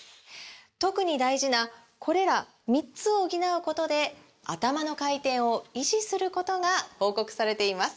特に大事なこれら３つを補うことでアタマの回転を維持することが報告されています